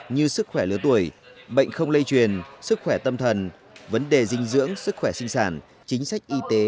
như sức khỏe lứa tuổi bệnh không lây truyền sức khỏe tâm thần vấn đề dinh dưỡng sức khỏe sinh sản chính sách y tế